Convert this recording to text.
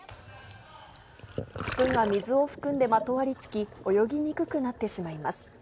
服が水を含んでまとわりつき、泳ぎにくくなってしまいます。